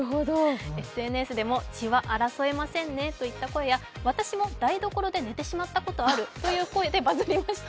ＳＮＳでも血は争えませんねといった声や私も台所で寝てしまったことあるということでバズりました。